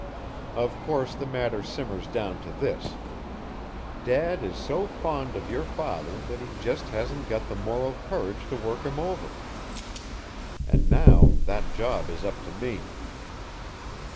Of course the matter simmers down to this: Dad is so fond of your father that he just hasn't got the moral courage to work him over and now that job is up to me.